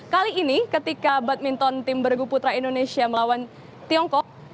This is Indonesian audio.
kali ini ketika badminton tim beraguputra indonesia melawan tiongkok